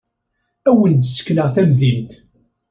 Ad awen-d-ssekneɣ tamdint.